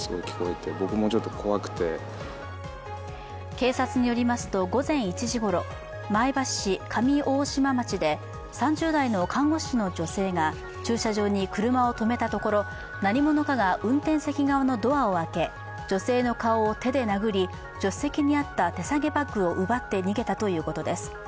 警察によりますと午前１時ごろ、前橋市上大島町で３０代の看護師の女性が駐車場に車を止めたところ、何者かが運転席側のドアを開け、女性の顔を手で殴り助手席にあった手提げバッグを奪って逃げたということです。